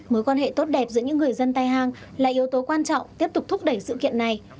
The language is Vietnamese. mối quan hệ tốt đẹp giữa những người dân tây hàng là yếu tố quan trọng tiếp tục thúc đẩy sự kiện này